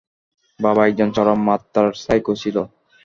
বাবা একজন চরম মাত্রার সাইকো ছিলো।